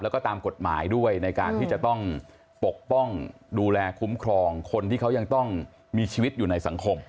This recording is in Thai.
แล้วก็ตามกฎหมายด้วยในการที่จะต้องปกป้องดูแลคุ้มครองคนที่เขายังต้องมีชีวิตอยู่ในสังคม